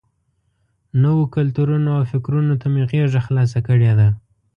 نویو کلتورونو او فکرونو ته مې غېږه خلاصه کړې ده.